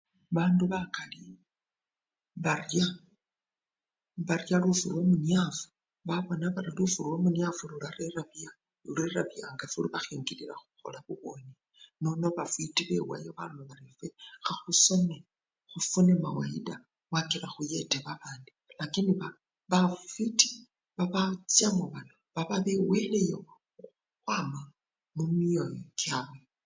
bandu bakali baya barya lufu lwa munyafu babona bari lufu lwa munyafu lula lularera biyangafu lubahingilila huhola bubwoni nono bafwiti bewayo bari fwe hahusome hufune mawayida kakila huyete babandi lakini bano bafwiti babaachamo bano baba beweleyo huhwama mumioyo kiabwe